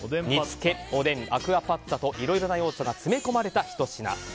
煮つけ、おでんアクアパッツァといろいろな要素が詰め込まれたひと品。